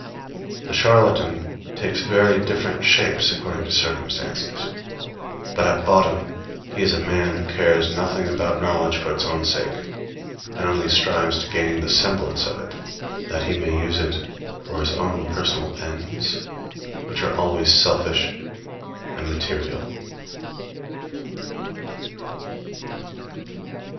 The charlatan takes very different shapes according to circumstances; but at bottom he is a man who cares nothing about knowledge for its own sake, and only strives to gain the semblance of it that he may use it for his own personal ends, which are always selfish and material.